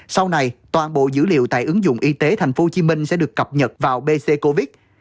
sau này toàn bộ dữ liệu tại ứng dụng y tế tp hcm sẽ được cập nhật vào bc covid